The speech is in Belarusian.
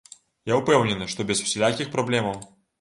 Я ўпэўнены, што без усялякіх праблемаў.